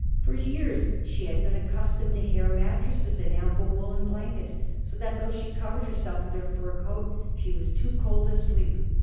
For years she had been accustomed to hair mattresses and ample woolen blankets, so that though she covered herself with her fur coat, she was too cold to sleep.